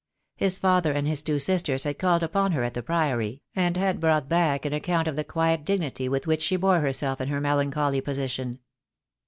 His father and his two sisters had called upon her at the Priory, and had brought back an account of the quiet dignity with which she bore herself in her melancholy position.